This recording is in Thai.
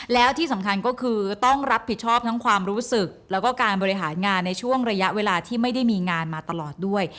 แล้วที่สำคัญก็คือต้องรับผิดชอบทั้งความรู้สึกแล้วก็การบริหารงานในช่วงระยะเวลาที่ไม่ได้มีงานมาตลอดด้วย